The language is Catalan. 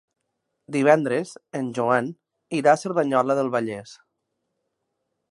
Divendres en Joan irà a Cerdanyola del Vallès.